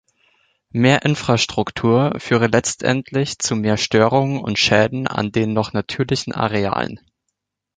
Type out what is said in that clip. Mehr Infrastruktur führe letztlich zu mehr Störungen und Schäden an den noch natürlichen Arealen.